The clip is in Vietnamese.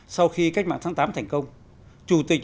sau khi cách mạng tháng tám thành công chủ tịch hồ chí minh nói một cách